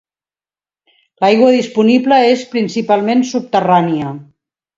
L'aigua disponible és principalment subterrània.